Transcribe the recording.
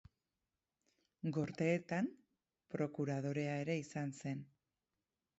Gorteetan prokuradorea ere izan zen.